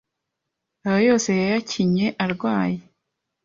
aya yose yayakinye arwaye,